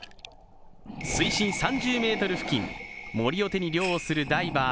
水深３０ｍ付近、モリを手に漁をするダイバー。